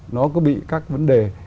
nó có bị các vấn đề